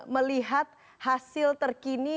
melihat hasil terkini